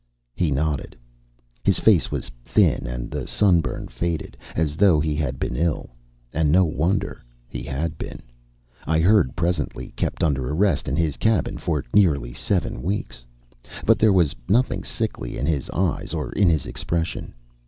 He nodded. His face was thin and the sunburn faded, as though he had been ill. And no wonder. He had been, I heard presently, kept under arrest in his cabin for nearly seven weeks. But there was nothing sickly in his eyes or in his expression.